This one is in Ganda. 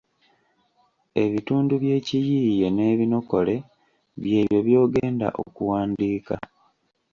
Ebitundu by’ekiyiiye n’ebinokole by’ebyo by’ogenda okuwandiika